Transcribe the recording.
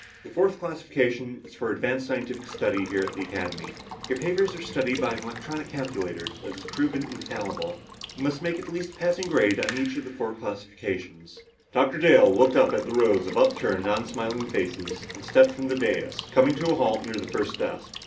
The fourth classification is for advanced scientific study here at the Academy. Your papers are studied by an electronic calculator that has proven infallible. You must make at least a passing grade on each of the four classifications." Dr. Dale looked up at the rows of upturned, unsmiling faces and stepped from the dais, coming to a halt near the first desk.